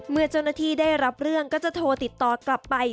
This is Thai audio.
เมื่อเจ้าหน้าที่ได้รับเรื่องก็จะโทรติดต่อกลับไป